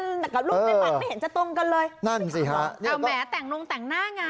แต่กับรูปในบัตรไม่เห็นจะตรงกันเลยนั่นสิฮะอ่าแหมแต่งนงแต่งหน้าไง